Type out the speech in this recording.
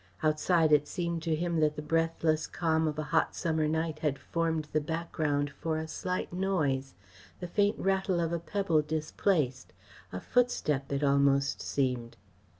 Outside it seemed to him that the breathless calm of a hot summer night had formed the background for a slight noise, the faint rattle of a pebble displaced; a footstep, it almost seemed.